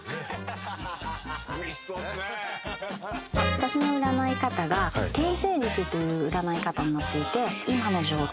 私の占い方が天星術という占い方になっていて今の状態